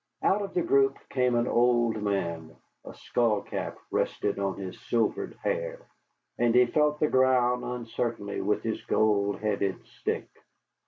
Out of the group came an old man. A skullcap rested on his silvered hair, and he felt the ground uncertainly with his gold headed stick.